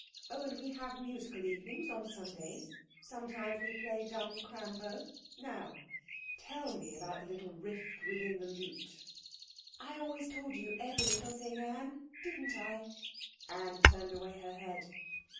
Oh and we have musical evenings on Sundays; sometimes we play dumb crambo. Now, tell me about the little rift within the lute.' 'I always told you every little thing, Anne didn't I?' Anne turned away her head.